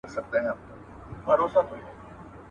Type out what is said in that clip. او پر تندي ږدي